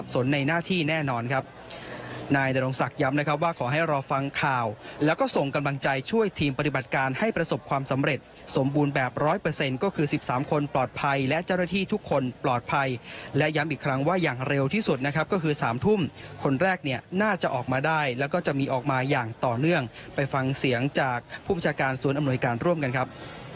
ปลอดภัยและเจ้าหน้าที่ทุกคนปลอดภัยและย้ำอีกครั้งว่าอย่างเร็วที่สุดนะครับก็คือสามทุ่มคนแรกเนี่ยน่าจะออกมาได้แล้วก็จะมีออกมาอย่างต่อเนื่องไปฟังเสียงจากผู้มีชาการสวนอำนวยการร่วมกันครับ